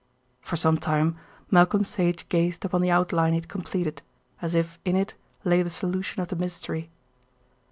For some time Malcolm Sage gazed upon the outline he had completed, as if in it lay the solution of the mystery.